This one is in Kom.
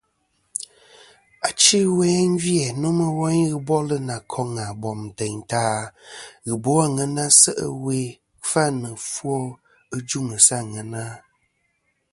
Achi ɨwe gvi-æ nomɨ woyn ghɨ bol nà koŋa bom teyn ta ghɨ bo àŋena se' ɨwe kfa nɨ ɨfwo ɨ juŋ sɨ àŋena.